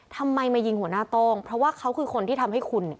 ทำไมมายิงหัวหน้าโต้งเพราะว่าเขาคือคนที่ทำให้คุณเนี่ย